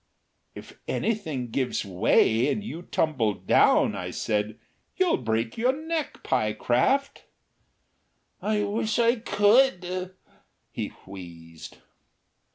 "If anything gives way and you tumble down," I said, "you'll break your neck, Pyecraft." "I wish I could," he wheezed.